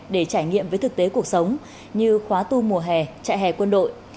để trải nghiệm với thực tế cuộc sống như khóa tu mùa hè trại hè quân đội